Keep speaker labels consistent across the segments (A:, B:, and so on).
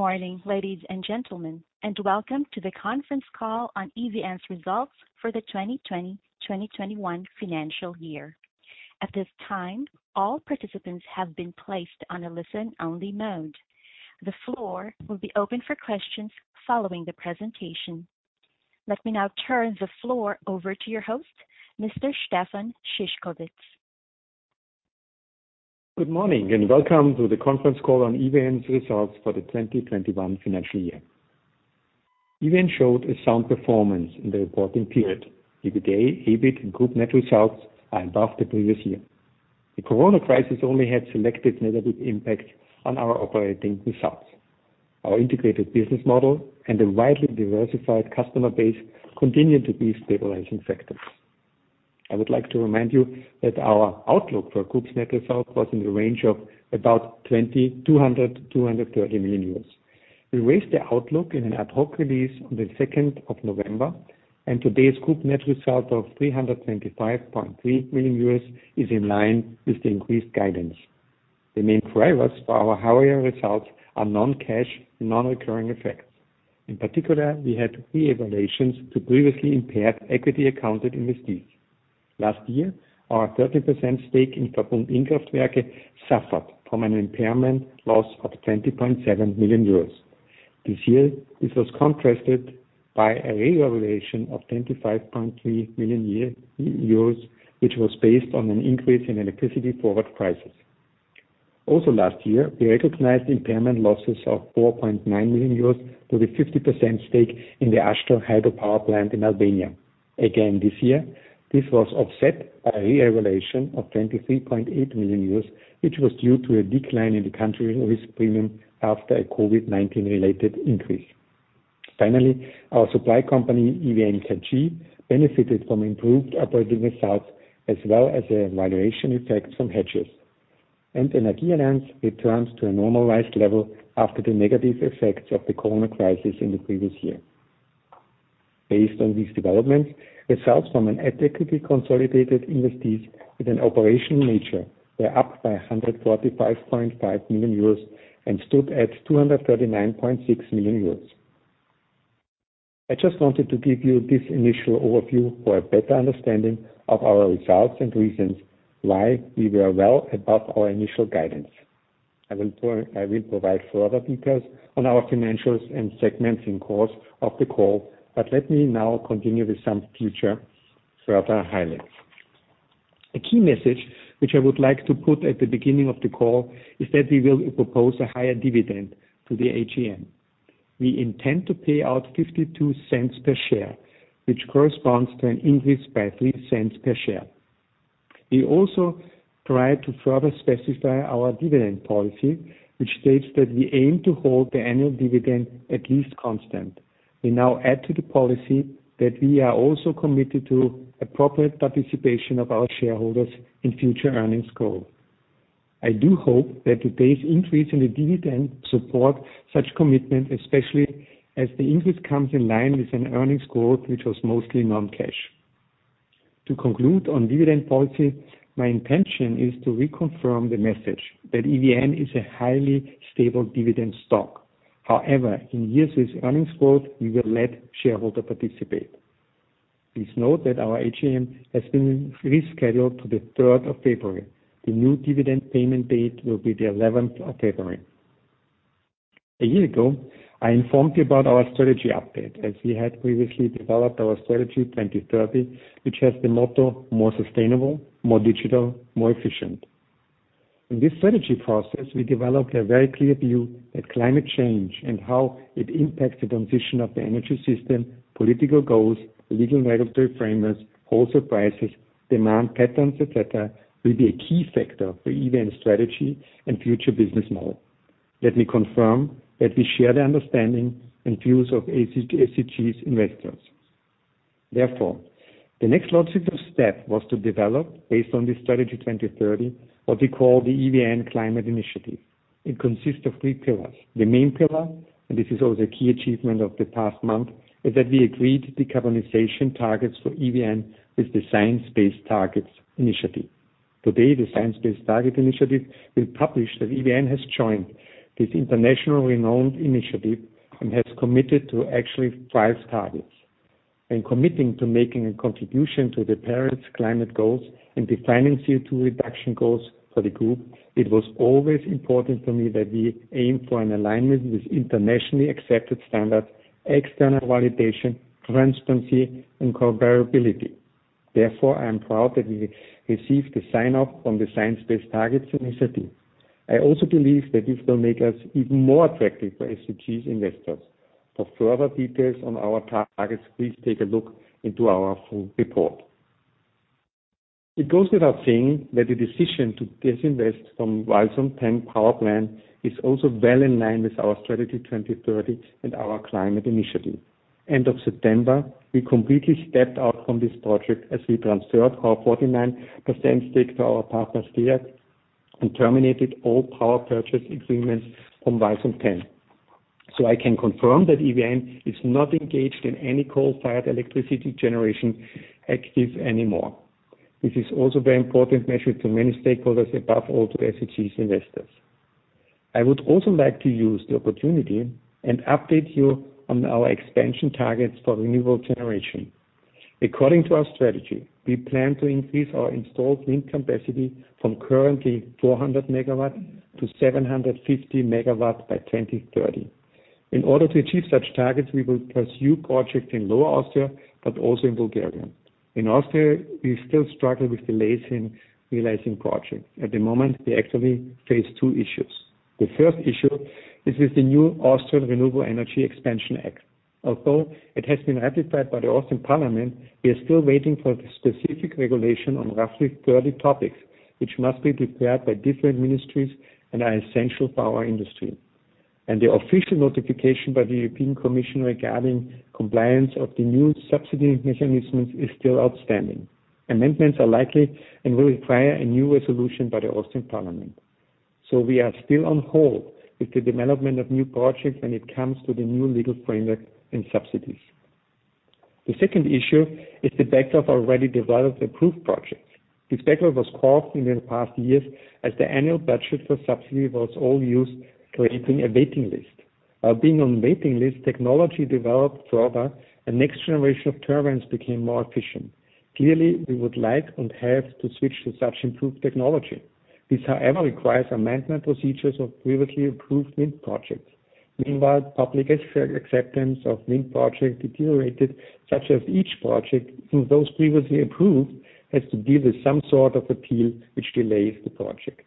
A: Good morning, ladies and gentlemen, and welcome to the conference call on EVN's results for the 2020, 2021 financial year. At this time, all participants have been placed on a listen-only mode. The floor will be open for questions following the presentation. Let me now turn the floor over to your host, Mr. Stefan Szyszkowitz.
B: Good morning and welcome to the conference call on EVN's results for the 2021 financial year. EVN showed a sound performance in the reporting period. EBITDA, EBIT, and group net results are above the previous year. The corona crisis only had selective negative impact on our operating results. Our integrated business model and a widely diversified customer base continued to be stabilizing factors. I would like to remind you that our outlook for group's net result was in the range of about 200 million-230 million. We raised the outlook in an ad hoc release on the second of November, and today's group net result of 325.3 million euros is in line with the increased guidance. The main drivers for our higher results are non-cash, non-recurring effects. In particular, we had revaluations to previously impaired equity-accounted investees. Last year, our 13% stake in VERBUND Innkraftwerke suffered from an impairment loss of 20.7 million euros. This year, this was contrasted by a revaluation of 25.3 million euros, which was based on an increase in electricity forward prices. Also last year, we recognized impairment losses of 4.9 million euros to the 50% stake in the Ashta Hydropower Plant in Albania. Again, this year, this was offset by a revaluation of 23.8 million euros, which was due to a decline in the country risk premium after a COVID-19 related increase. Finally, our supply company, EVN KG, benefited from improved operating results as well as a valuation effect from hedges. Energienetze returns to a normalized level after the negative effects of the COVID crisis in the previous year. Based on these developments, results from equity consolidated investees with an operational nature were up by 145.5 million euros and stood at 239.6 million euros. I just wanted to give you this initial overview for a better understanding of our results and reasons why we were well above our initial guidance. I will provide further details on our financials and segments in course of the call, but let me now continue with some future further highlights. A key message which I would like to put at the beginning of the call is that we will propose a higher dividend to the AGM. We intend to pay out 0.52 per share, which corresponds to an increase by 0.03 per share. We also try to further specify our dividend policy, which states that we aim to hold the annual dividend at least constant. We now add to the policy that we are also committed to appropriate participation of our shareholders in future earnings growth. I do hope that today's increase in the dividend support such commitment, especially as the increase comes in line with an earnings growth which was mostly non-cash. To conclude on dividend policy, my intention is to reconfirm the message that EVN is a highly stable dividend stock. However, in years with earnings growth, we will let shareholder participate. Please note that our AGM has been rescheduled to the third of February. The new dividend payment date will be the eleventh of February. A year ago, I informed you about our strategy update, as we had previously developed our strategy 2030, which has the motto, more sustainable, more digital, more efficient. In this strategy process, we developed a very clear view that climate change and how it impacts the transition of the energy system, political goals, legal regulatory frameworks, wholesale prices, demand patterns, et cetera, will be a key factor for EVN's strategy and future business model. Let me confirm that we share the understanding and views of ESG's investors. Therefore, the next logical step was to develop, based on the strategy 2030, what we call the EVN Climate Initiative. It consists of three pillars. The main pillar, and this is also a key achievement of the past month, is that we agreed decarbonization targets for EVN with the Science Based Targets initiative. Today, the Science Based Targets initiative will publish that EVN has joined this internationally renowned initiative and has committed to science-based targets. In committing to making a contribution to the Paris Climate goals and defining CO2 reduction goals for the group, it was always important to me that we aim for an alignment with internationally accepted standards, external validation, transparency, and comparability. Therefore, I am proud that we received the sign-off on the Science Based Targets initiative. I also believe that this will make us even more attractive for ESG investors. For further details on our targets, please take a look into our full report. It goes without saying that the decision to disinvest from Weisweiler Power Plant is also well in line with our strategy 2030 and our climate initiative. End of September, we completely stepped out from this project as we transferred our 49% stake to our partner, STEAG, and terminated all power purchase agreements from Weisweiler. I can confirm that EVN is not engaged in any coal-fired electricity generation activity anymore. This is also very important measure to many stakeholders, above all to ESG investors. I would also like to use the opportunity and update you on our expansion targets for renewable generation. According to our strategy, we plan to increase our installed wind capacity from currently 400 MW to 750 MW by 2030. In order to achieve such targets, we will pursue projects in Lower Austria, but also in Bulgaria. In Austria, we still struggle with delays in realizing projects. At the moment, we actually face two issues. The first issue is with the new Austrian Renewable Energy Expansion Act. Although it has been ratified by the Austrian Parliament, we are still waiting for the specific regulation on roughly 30 topics, which must be declared by different ministries and are essential for our industry. The official notification by the European Commission regarding compliance of the new subsidy mechanisms is still outstanding. Amendments are likely and will require a new resolution by the Austrian Parliament. We are still on hold with the development of new projects when it comes to the new legal framework and subsidies. The second issue is the backlog of already developed approved projects. This backlog was caused in the past years as the annual budget for subsidy was all used, creating a waiting list. While being on waiting list, technology developed further and next generation of turbines became more efficient. Clearly, we would like and have to switch to such improved technology. This, however, requires amendment procedures of previously approved wind projects. Meanwhile, public acceptance of wind project deteriorated, such that each project, even those previously approved, has to deal with some sort of appeal which delays the project.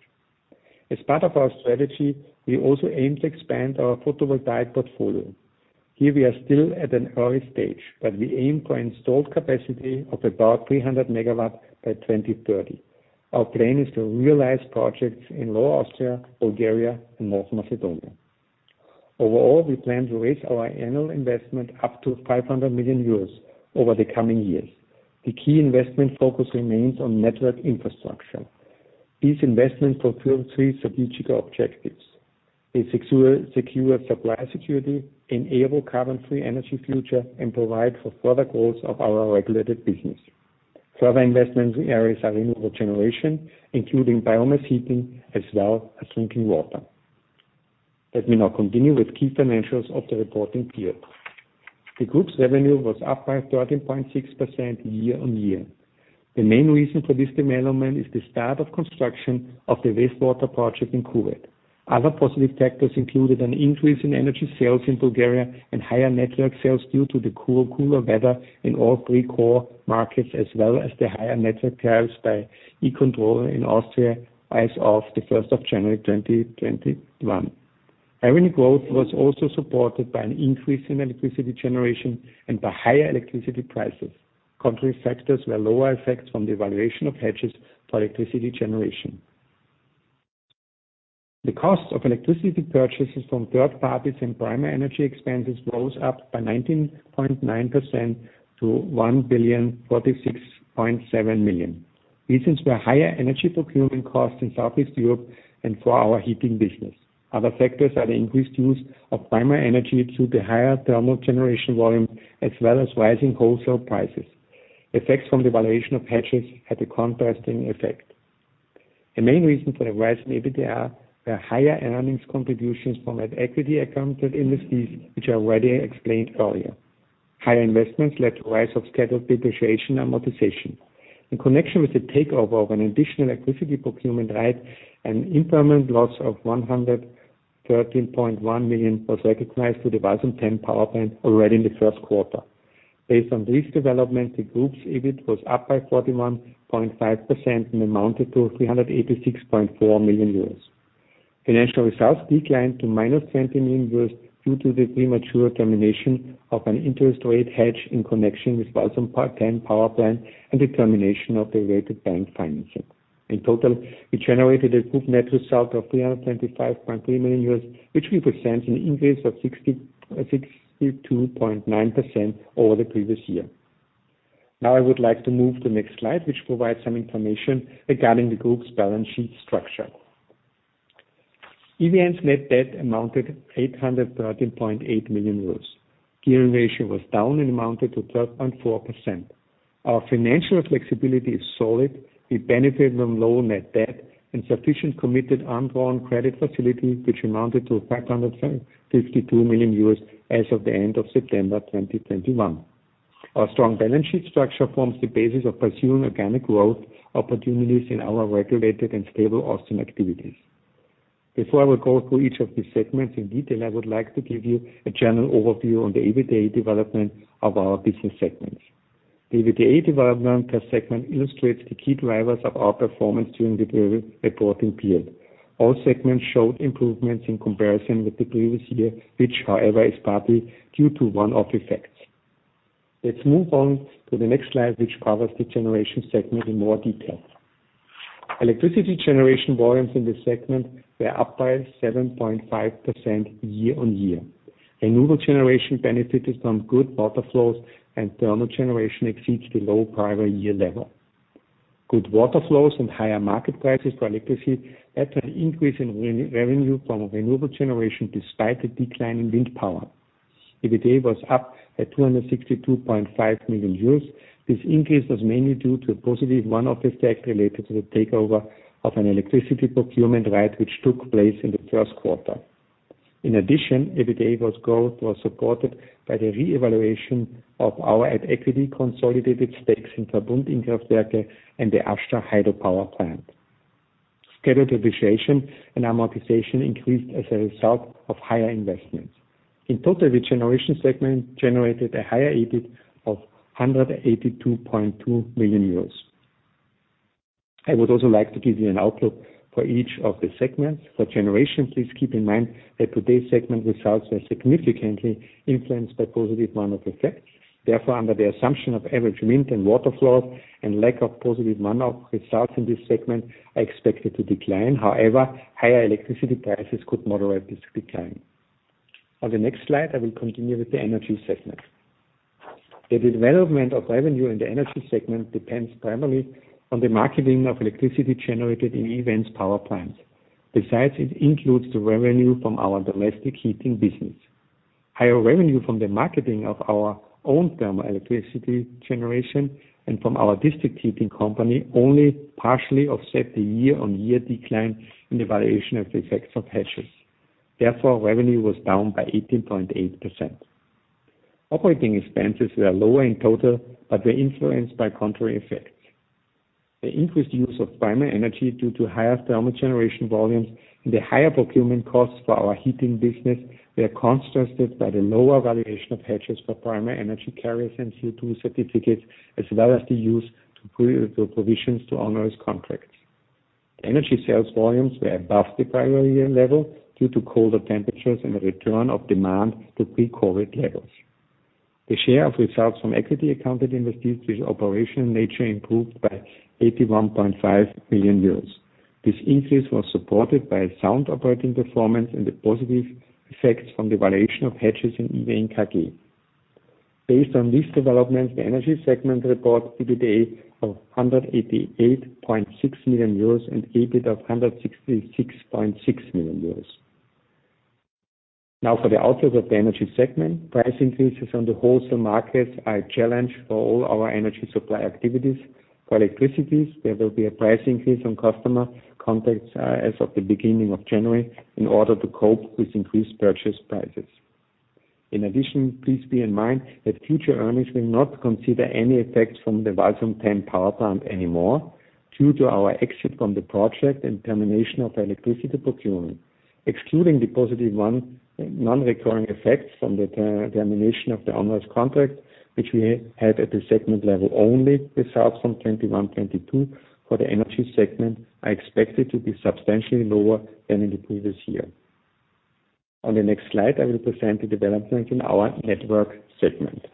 B: As part of our strategy, we also aim to expand our photovoltaic portfolio. Here we are still at an early stage, but we aim for installed capacity of about 300 MW by 2030. Our plan is to realize projects in Lower Austria, Bulgaria, and North Macedonia. Overall, we plan to raise our annual investment up to 500 million euros over the coming years. The key investment focus remains on network infrastructure. These investments fulfill three strategic objectives. They secure supply security, enable carbon-free energy future, and provide for further growth of our regulated business. Further investment areas are renewable generation, including biomass heating as well as drinking water. Let me now continue with key financials of the reporting period. The group's revenue was up by 13.6% year-on-year. The main reason for this development is the start of construction of the wastewater project in Kuwait. Other positive factors included an increase in energy sales in Bulgaria and higher network sales due to the cooler weather in all three core markets, as well as the higher network tariffs by E-Control in Austria as of January 1, 2021. Revenue growth was also supported by an increase in electricity generation and by higher electricity prices. Contrasting factors were lower effects from the valuation of hedges for electricity generation. The cost of electricity purchases from third parties and primary energy expenses rose by 19.9% to 1,046.7 million. Reasons were higher energy procurement costs in Southeast Europe and for our heating business. Other factors are the increased use of primary energy due to higher thermal generation volume, as well as rising wholesale prices. Effects from the valuation of hedges had a contrasting effect. The main reason for the rise in EBITDA were higher earnings contributions from at-equity accounted investees, which I already explained earlier. Higher investments led to rise of scheduled depreciation amortization. In connection with the takeover of an additional electricity procurement right, an impairment loss of 113.1 million was recognized for the Walsum 10 power plant already in the first quarter. Based on this development, the group's EBIT was up by 41.5% and amounted to 386.4 million euros. Financial results declined to minus 20 million euros due to the premature termination of an interest rate hedge in connection with Walsum 10 power plant and the termination of the rated bank financing. In total, we generated a group net result of 325.3 million euros, which represents an increase of 62.9% over the previous year. Now I would like to move to next slide, which provides some information regarding the group's balance sheet structure. EVN's net debt amounted to 813.8 million euros. Gearing ratio was down and amounted to 12.4%. Our financial flexibility is solid. We benefit from low net debt and sufficient committed undrawn credit facility, which amounted to 552 million euros as of the end of September 2021. Our strong balance sheet structure forms the basis of pursuing organic growth opportunities in our regulated and stable Austrian activities. Before I will go through each of these segments in detail, I would like to give you a general overview on the EBITDA development of our business segments. The EBITDA development per segment illustrates the key drivers of our performance during the period, reporting period. All segments showed improvements in comparison with the previous year, which, however, is partly due to one-off effects. Let's move on to the next slide, which covers the generation segment in more detail. Electricity generation volumes in this segment were up by 7.5% year-on-year. Renewable generation benefited from good water flows and thermal generation exceeds the low prior year level. Good water flows and higher market prices for electricity led to an increase in revenue from renewable generation despite a decline in wind power. EBITDA was up at 262.5 million euros. This increase was mainly due to a positive one-off effect related to the takeover of an electricity procurement right which took place in the first quarter. In addition, EBITDA's growth was supported by the revaluation of our at-equity consolidated stakes in VERBUND Innkraftwerke and the Ashta hydropower plant. Scheduled depreciation and amortization increased as a result of higher investments. In total, the generation segment generated a higher EBIT of 182.2 million euros. I would also like to give you an outlook for each of the segments. For generation, please keep in mind that today's segment results are significantly influenced by positive one-off effects. Therefore, under the assumption of average wind and water flows and lack of positive one-off results in this segment are expected to decline. However, higher electricity prices could moderate this decline. On the next slide, I will continue with the energy segment. The development of revenue in the energy segment depends primarily on the marketing of electricity generated in EVN's power plants. Besides, it includes the revenue from our domestic heating business. Higher revenue from the marketing of our own thermal electricity generation and from our district heating company only partially offset the year-on-year decline in the valuation of the effects of hedges. Therefore, revenue was down by 18.8%. Operating expenses were lower in total, but were influenced by contrary effects. The increased use of primary energy due to higher thermal generation volumes and the higher procurement costs for our heating business were contrasted by the lower valuation of hedges for primary energy carriers and CO2 certificates, as well as for provisions to onerous contracts. Energy sales volumes were above the prior year level due to colder temperatures and a return of demand to pre-COVID levels. The share of results from equity accounted investments which are operational in nature improved by 81.5 million euros. This increase was supported by sound operating performance and the positive effects from the valuation of hedges in EVN AG. Based on these developments, the energy segment reports EBITDA of 188.6 million euros and EBIT of 166.6 million euros. Now for the outlook of the energy segment. Price increases on the wholesale markets are a challenge for all our energy supply activities. For electricity, there will be a price increase on customer contracts as of the beginning of January in order to cope with increased purchase prices. In addition, please bear in mind that future earnings will not consider any effects from the Walsum Power Plant anymore due to our exit from the project and termination of the electricity procurement. Excluding the positive one-off non-recurring effects from the termination of the onerous contract which we had at the segment level only, results from 2021, 2022 for the Energy segment are expected to be substantially lower than in the previous year. On the next slide, I will present the development in our Network segment.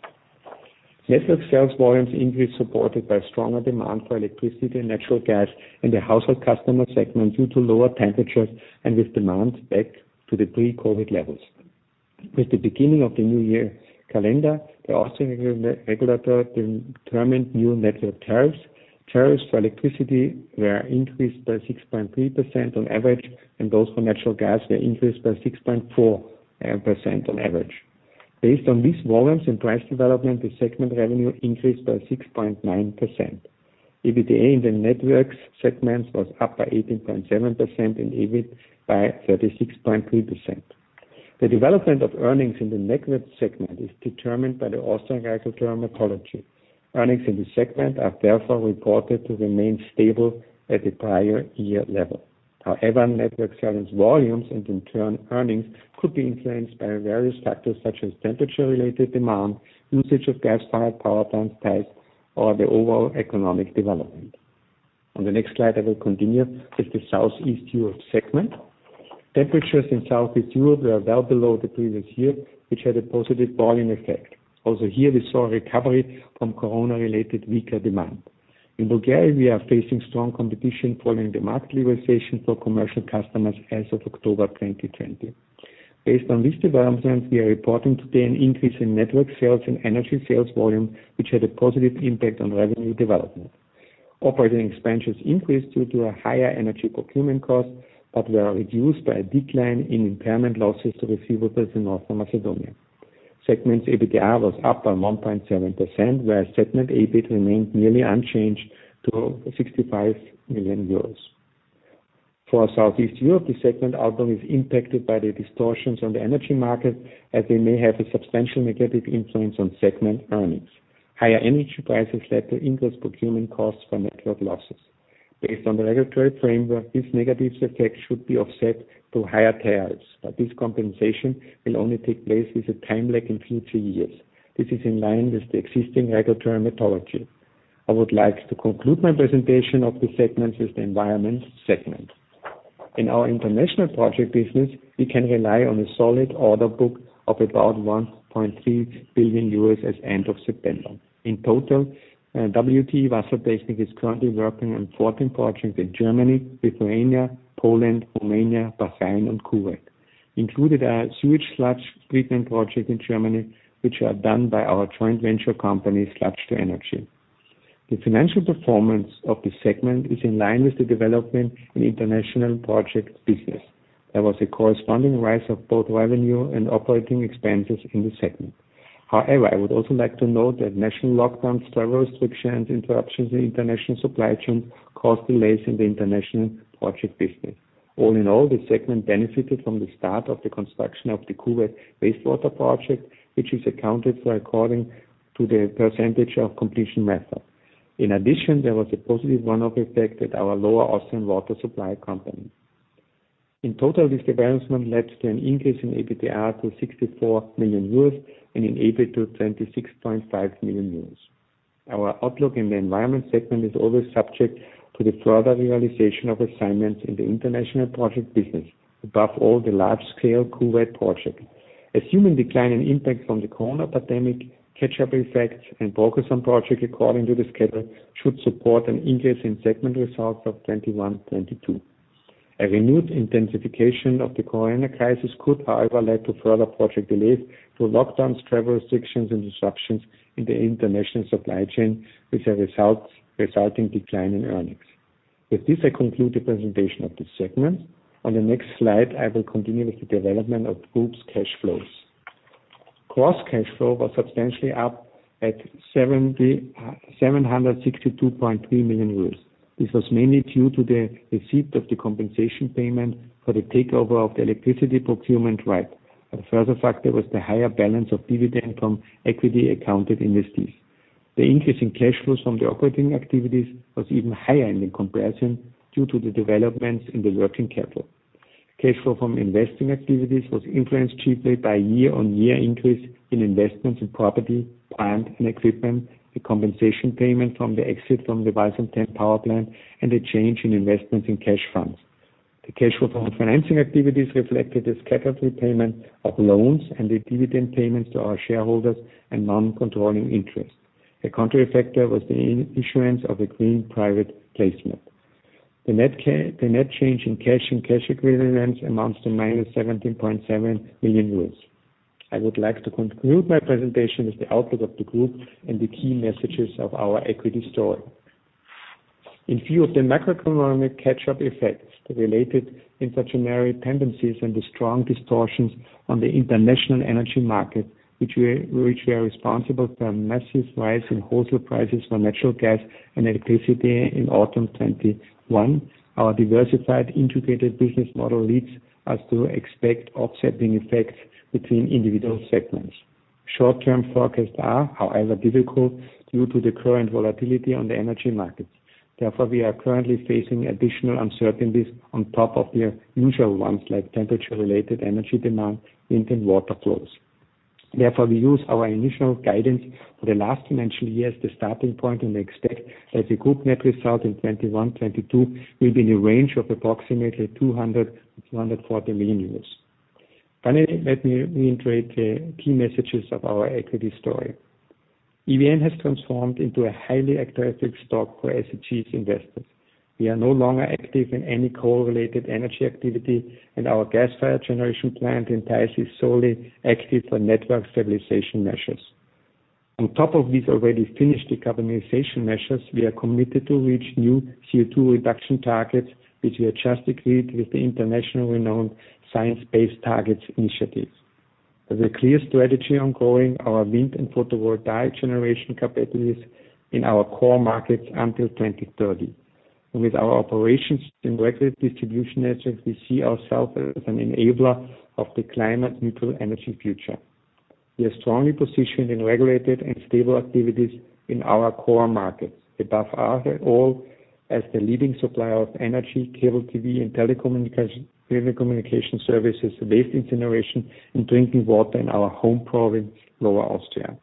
B: Network sales volumes increased, supported by stronger demand for electricity and natural gas in the household customer segment due to lower temperatures and with demand back to the pre-COVID levels. With the beginning of the new year calendar, the Austrian regulator determined new network tariffs. Tariffs for electricity were increased by 6.3% on average, and those for natural gas were increased by 6.4% on average. Based on these volumes and price development, the segment revenue increased by 6.9%. EBITDA in the networks segment was up by 18.7% and EBIT by 36.3%. The development of earnings in the network segment is determined by the Austrian regulatory methodology. Earnings in this segment are therefore reported to remain stable at the prior year level. However, network sales volumes and, in turn, earnings could be influenced by various factors such as temperature-related demand, usage of gas-fired power plants types, or the overall economic development. On the next slide, I will continue with the Southeast Europe segment. Temperatures in Southeast Europe were well below the previous year, which had a positive volume effect. Also here we saw a recovery from Corona-related weaker demand. In Bulgaria, we are facing strong competition following the market liberalization for commercial customers as of October 2020. Based on these developments, we are reporting today an increase in network sales and energy sales volume, which had a positive impact on revenue development. Operating expenses increased due to a higher energy procurement cost, but were reduced by a decline in impairment losses to receivables in North Macedonia. Segment EBITDA was up by 1.7%, while segment EBIT remained nearly unchanged to 65 million euros. For Southeast Europe, the segment outlook is impacted by the distortions on the energy market, as they may have a substantial negative influence on segment earnings. Higher energy prices led to increased procurement costs for network losses. Based on the regulatory framework, these negative effects should be offset through higher tariffs, but this compensation will only take place with a time lag in future years. This is in line with the existing regulatory methodology. I would like to conclude my presentation of the segments with the environmental segment. In our international project business, we can rely on a solid order book of about 1.3 billion as end of September. In total, WTE Wassertechnik is currently working on 14 projects in Germany, Lithuania, Poland, Romania, Bahrain, and Kuwait. Included are sewage sludge treatment projects in Germany, which are done by our joint venture company, sludge2energy. The financial performance of this segment is in line with the development in international project business. There was a corresponding rise of both revenue and operating expenses in the segment. However, I would also like to note that national lockdowns, travel restrictions, interruptions in international supply chain caused delays in the international project business. All in all, this segment benefited from the start of the construction of the Kuwait Wastewater project, which is accounted for according to the percentage of completion method. In addition, there was a positive one-off effect at our Lower Austrian water supply company. In total, this development led to an increase in EBITDA to 64 million euros and an EBITDA of 26.5 million euros. Our outlook in the environment segment is always subject to the further realization of assignments in the international project business, above all the large scale Kuwait project. Assuming declining impact from the COVID pandemic, catch-up effects and focus on project according to the schedule should support an increase in segment results of 2021-2022. A renewed intensification of the corona crisis could, however, lead to further project delays due to lockdowns, travel restrictions and disruptions in the international supply chain with the result, a resulting decline in earnings. With this, I conclude the presentation of this segment. On the next slide, I will continue with the development of group's cash flows. Gross cash flow was substantially up at 762.3 million euros. This was mainly due to the receipt of the compensation payment for the takeover of the electricity procurement right. A further factor was the higher balance of dividend from equity accounted investments. The increase in cash flows from the operating activities was even higher in comparison due to the developments in the working capital. Cash flow from investing activities was influenced chiefly by year-on-year increase in investments in property, plant and equipment, the compensation payment from the exit from the Walsum Power Plant, and a change in investments in cash funds. The cash flow from financing activities reflected the scheduled repayment of loans and the dividend payments to our shareholders and non-controlling interest. A contrary factor was the issuance of a green private placement. The net change in cash and cash equivalents amounts to minus 17.7 million euros. I would like to conclude my presentation with the outlook of the group and the key messages of our equity story. In view of the macroeconomic catch-up effects related inflationary tendencies and the strong distortions on the international energy market, which we are responsible for a massive rise in wholesale prices for natural gas and electricity in autumn 2021. Our diversified integrated business model leads us to expect offsetting effects between individual segments. Short-term forecasts are, however, difficult due to the current volatility on the energy markets. Therefore, we are currently facing additional uncertainties on top of the usual ones like temperature-related energy demand, wind and water flows. Therefore, we use our initial guidance for the last mentioned year as the starting point, and expect that the group net result in 2021-2022 will be in the range of approximately 200 million-240 million euros. Finally, let me reiterate the key messages of our equity story. EVN has transformed into a highly attractive stock for ESG investors. We are no longer active in any coal-related energy activity, and our gas-fired generation plant entirely solely active for network stabilization measures. On top of these already finished decarbonization measures, we are committed to reach new CO2 reduction targets, which we have just agreed with the internationally renowned Science Based Targets initiative. As a clear strategy on growing our wind and photovoltaic generation capacities in our core markets until 2030. With our operations in regular distribution networks, we see ourselves as an enabler of the climate neutral energy future. We are strongly positioned in regulated and stable activities in our core markets, above all as the leading supplier of energy, cable TV and telecommunication services, waste incineration and drinking water in our home province, Lower Austria.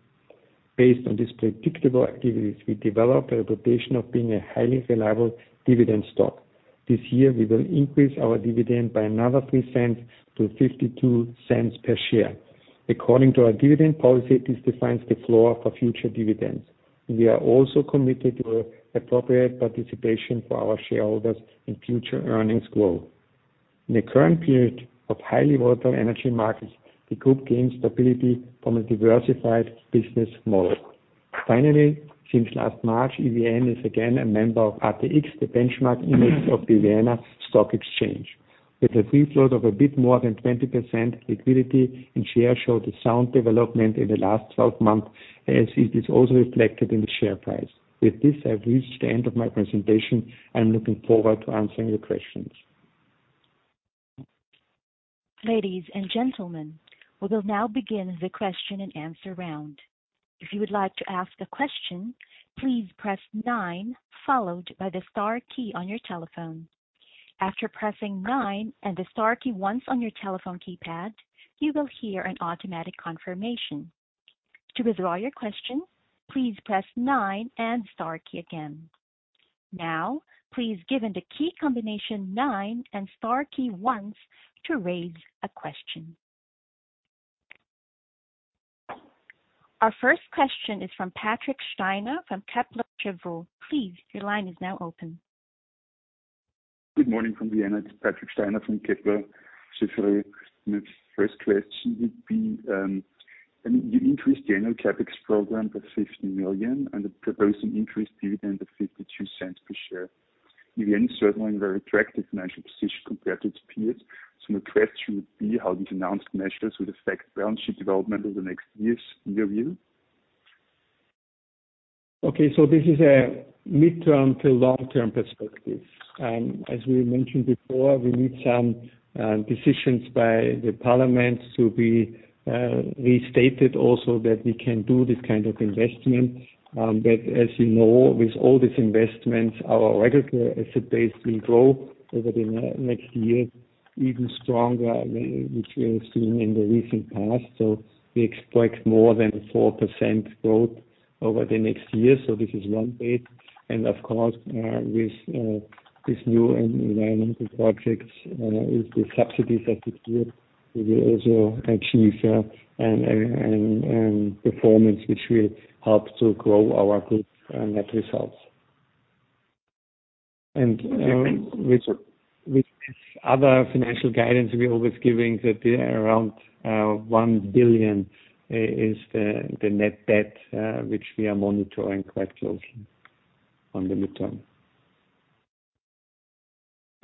B: Based on these predictable activities, we developed a reputation of being a highly reliable dividend stock. This year, we will increase our dividend by another 0.03-0.52 per share. According to our dividend policy, this defines the floor for future dividends. We are also committed to appropriate participation for our shareholders in future earnings growth. In the current period of highly volatile energy markets, the group gains stability from a diversified business model. Finally, since last March, EVN is again a member of ATX, the benchmark index of the Vienna Stock Exchange. With a free float of a bit more than 20% liquidity and the share showed a sound development in the last 12 months, as it is also reflected in the share price. With this, I've reached the end of my presentation and I'm looking forward to answering your questions.
A: Ladies and gentlemen, we will now begin the question and answer round. If you would like to ask a question, please press nine followed by the star key on your telephone. After pressing nine and the star key once on your telephone keypad, you will hear an automatic confirmation. To withdraw your question, please press nine and star key again. Now, please give the key combination nine and star key once to raise a question. Our first question is from Patrick Steiner from Kepler Cheuvreux. Please, your line is now open.
C: Good morning from Vienna. It's Patrick Steiner from Kepler Cheuvreux. My first question would be, I mean, you increased the annual CapEx program by 50 million and proposing increased dividend of 0.52 per share. You're in certainly very attractive financial position compared to its peers. My question would be how these announced measures would affect balance sheet development over the next year's year view.
B: This is a midterm to long-term perspective. As we mentioned before, we need some decisions by the parliament to be restated also that we can do this kind of investment. As you know, with all these investments, our regular asset base will grow over the next year even stronger than which we have seen in the recent past. We expect more than 4% growth over the next year. This is one bit. Of course, with this new and environmental projects, with the subsidies expected, we will also achieve performance which will help to grow our group net results. With this other financial guidance, we're always giving that around 1 billion is the net debt which we are monitoring quite closely on the midterm.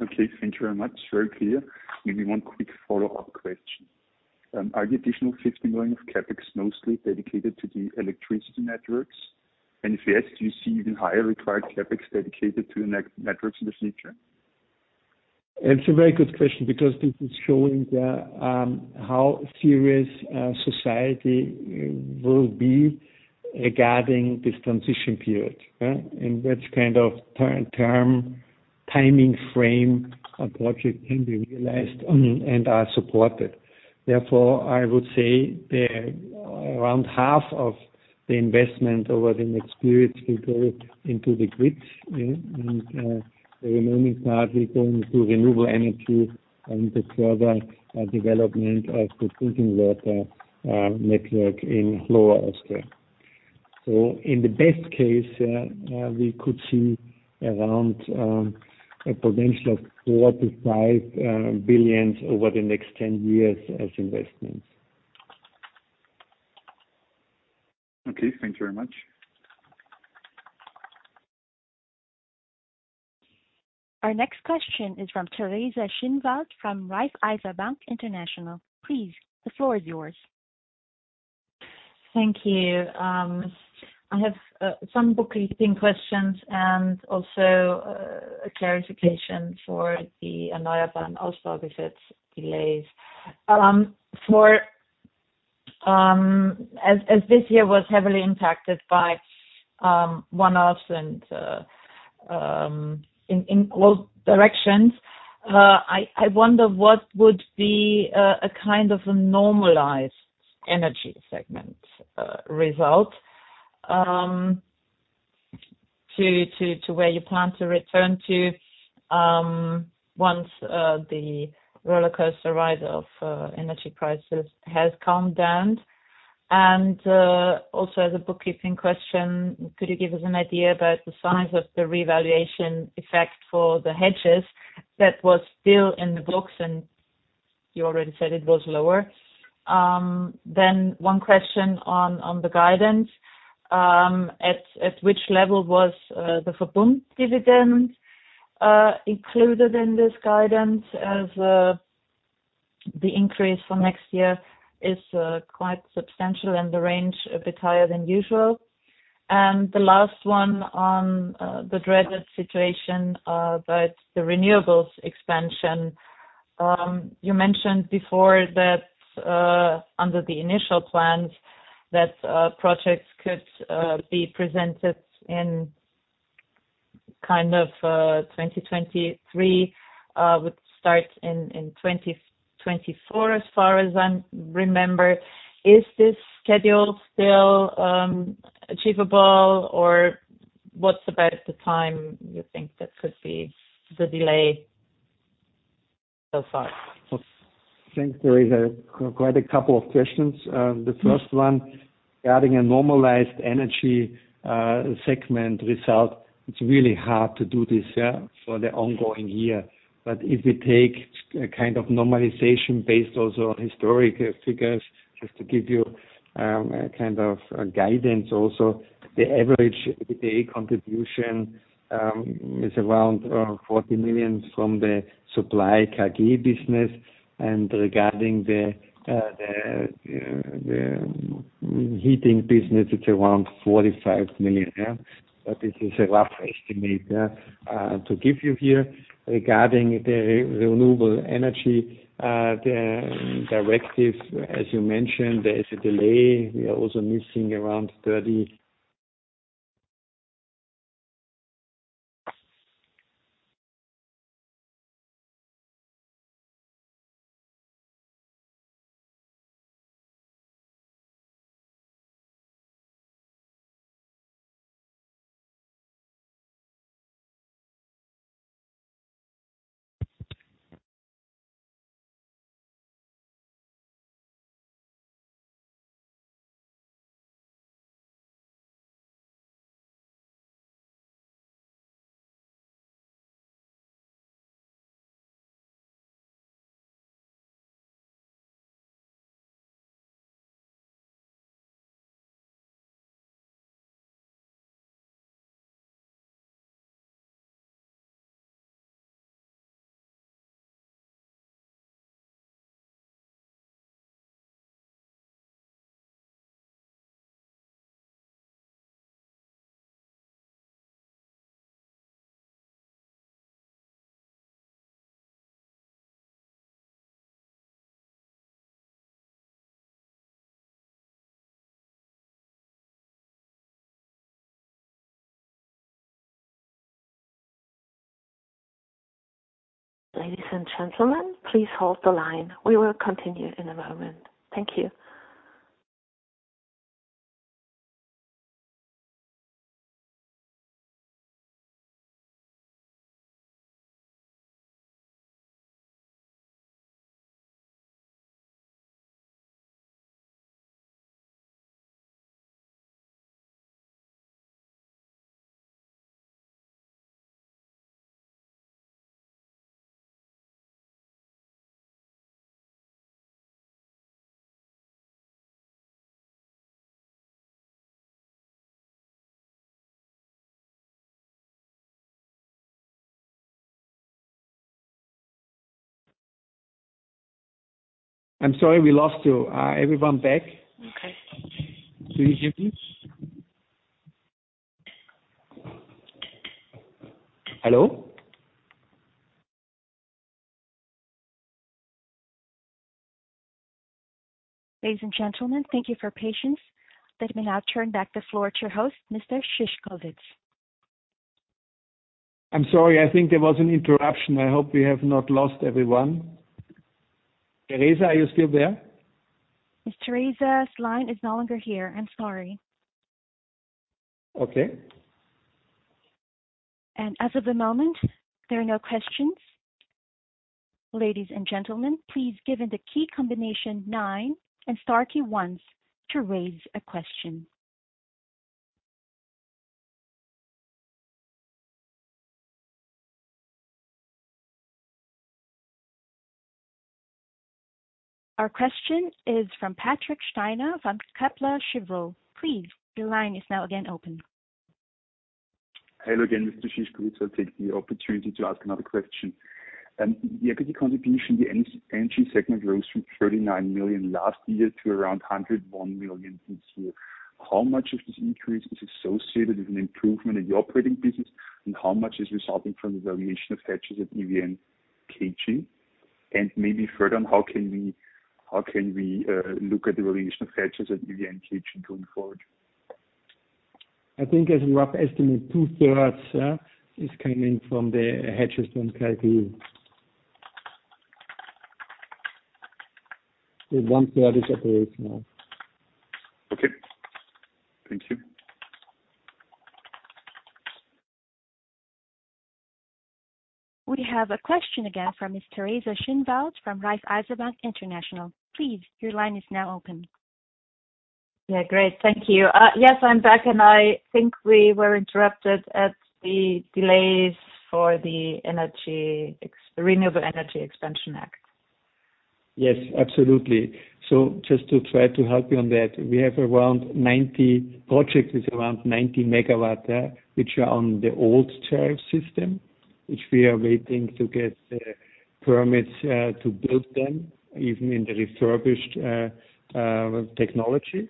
C: Okay. Thank you very much. Very clear. Maybe one quick follow-up question. Are the additional 50 million of CapEx mostly dedicated to the electricity networks? If yes, do you see even higher required CapEx dedicated to the networks in the future?
B: It's a very good question because this is showing the how serious society will be regarding this transition period, yeah. Which kind of time frame a project can be realized and are supported. Therefore, I would say around half of the investment over the next period will go into the grids, and the remaining part will go to renewable energy and the further development of the drinking water network in Lower Austria. In the best case, we could see around a potential of 4 billion-5 billion over the next 10 years as investments.
C: Okay. Thank you very much.
A: Our next question is from Teresa Schinwald from Raiffeisen Bank International. Please, the floor is yours.
D: Thank you. I have some bookkeeping questions and also a clarification for the Erneuerbaren-Ausbau-Gesetz delays. For as this year was heavily impacted by one-offs and in both directions, I wonder what would be a kind of a normalized energy segment result to where you plan to return to once the rollercoaster ride of energy prices has calmed down. Also as a bookkeeping question, could you give us an idea about the size of the revaluation effect for the hedges that was still in the books? You already said it was lower. One question on the guidance, at which level was the VERBUND dividend included in this guidance as the increase for next year is quite substantial and the range a bit higher than usual? The last one on the dreaded situation about the renewables expansion. You mentioned before that under the initial plans that projects could be presented in kind of 2023, would start in 2024, as far as I remember. Is this schedule still achievable, or what about the time you think that could be the delay so far?
B: Thanks, Teresa. Quite a couple of questions. The first one, regarding a normalized energy segment result, it's really hard to do this, yeah, for the ongoing year. If we take a kind of normalization based also on historic figures, just to give you a kind of a guidance also, the average EBITDA contribution is around 40 million from the EVN KG business. Regarding the heating business, it's around 45 million. Yeah. This is a rough estimate to give you here. Regarding the renewable energy directive, as you mentioned, there is a delay. We are also missing around thirty-
A: Ladies and gentlemen, please hold the line. We will continue in a moment. Thank you.
B: I'm sorry we lost you. Everyone back?
A: Okay.
B: Can you hear me? Hello?
A: Ladies and gentlemen, thank you for your patience. Let me now turn back the floor to your host, Mr. Szyszkowitz.
B: I'm sorry. I think there was an interruption. I hope we have not lost everyone. Teresa, are you still there?
A: Miss Theresa's line is no longer here, I'm sorry.
B: Okay.
A: As of the moment, there are no questions. Ladies and gentlemen, please give the key combination 9 and star key once to raise a question. Our question is from Patrick Steiner from Kepler Cheuvreux. Please, your line is now again open.
C: Hello again, Mr. Szyszkowitz. I'll take the opportunity to ask another question. The equity contribution, the energy segment rose from 39 million last year to around 101 million this year. How much of this increase is associated with an improvement in the operating business, and how much is resulting from the valuation of hedges at EVN KG? Maybe further on, how can we look at the valuation of hedges at EVN KG going forward?
B: I think as a rough estimate, two-thirds, yeah, is coming from the hedges from KG. The one-third is operational.
C: Okay. Thank you.
A: We have a question again from Miss Teresa Schinwald from Raiffeisen Bank International. Please, your line is now open.
D: Yeah, great. Thank you. Yes, I'm back, and I think we were interrupted at the delays for the Renewable Energy Expansion Act.
B: Yes, absolutely. Just to try to help you on that, we have around 90 projects with around 90 MW, which are on the old tariff system, which we are waiting to get permits to build them even in the refurbished technology.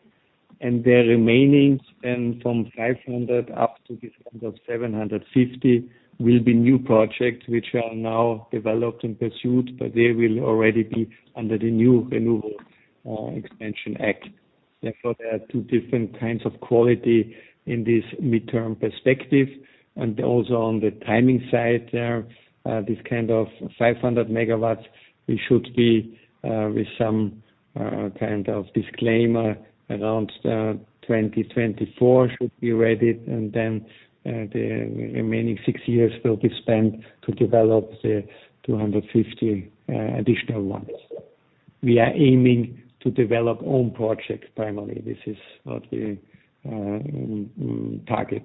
B: The remaining spend from 500 up to this round of 750 will be new projects which are now developed and pursued, but they will already be under the new Renewable Energy Expansion Act. Therefore, there are two different kinds of quality in this midterm perspective. Also on the timing side, this kind of 500 MW we should be, with some kind of disclaimer around 2024 should be ready and then the remaining six years will be spent to develop the 250 additional ones. We are aiming to develop own projects primarily. This is what we target.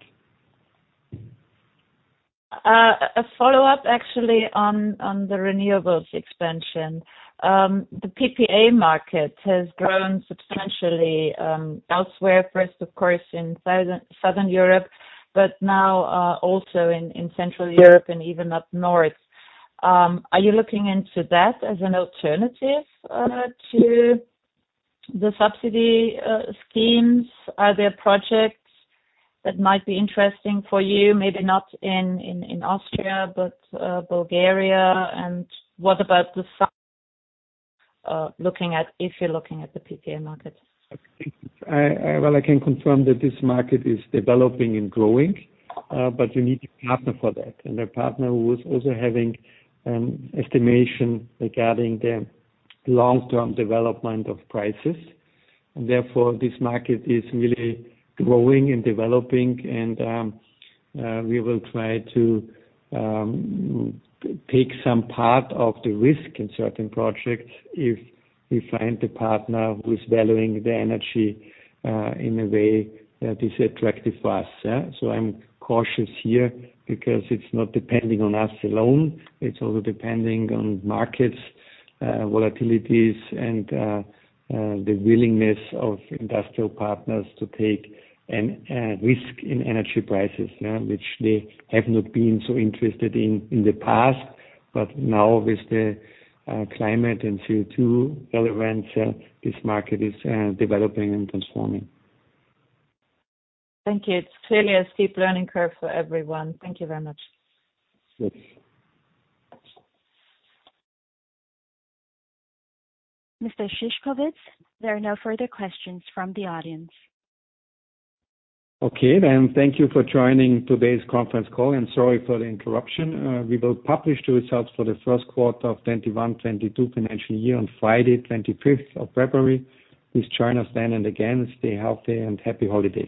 D: A follow-up actually on the renewables expansion. The PPA market has grown substantially elsewhere, first of course in Southern Europe, but now also in Central Europe and even up north. Are you looking into that as an alternative to the subsidy schemes? Are there projects that might be interesting for you? Maybe not in Austria, but Bulgaria, and what about looking at the PPA market?
B: Well, I can confirm that this market is developing and growing, but you need a partner for that. A partner who is also having estimation regarding the long-term development of prices. Therefore, this market is really growing and developing, and we will try to take some part of the risk in certain projects if we find a partner who is valuing the energy in a way that is attractive for us, yeah. I'm cautious here because it's not depending on us alone, it's also depending on market volatilities and the willingness of industrial partners to take a risk in energy prices, yeah. Which they have not been so interested in in the past, but now with the climate and CO2 relevance, this market is developing and transforming.
D: Thank you. It's clearly a steep learning curve for everyone. Thank you very much.
B: Yes.
A: Mr. Szyszkowitz, there are no further questions from the audience.
B: Okay then. Thank you for joining today's conference call, and sorry for the interruption. We will publish the results for the first quarter of 2021-2022 financial year on Friday, 25th of February. Please join us then and again, stay healthy and happy holidays.